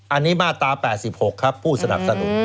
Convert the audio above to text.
อันนี้มาตรา๘๖ครับผู้สนับสนุน